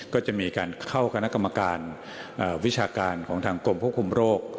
ก็จะมีการเข้าคณะกรรมการวิชาการของทางกรมควบคุมโรค